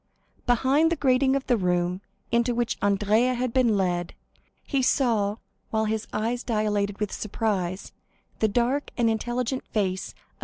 Behind the grating of the room into which Andrea had been led, he saw, while his eyes dilated with surprise, the dark and intelligent face of M.